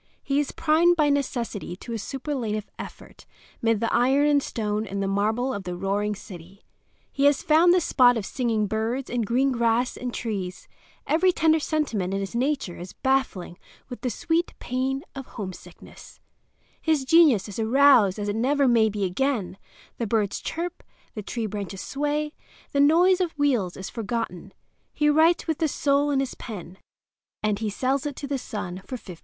He is primed by necessity to a superlative effort; mid the iron and stone and marble of the roaring city he has found this spot of singing birds and green grass and trees; every tender sentiment in his nature is battling with the sweet pain of homesickness; his genius is aroused as it never may be again; the birds chirp, the tree branches sway, the noise of wheels is forgotten; he writes with his soul in his pen—and he sells it to the Sun for $15.